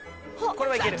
これはいける。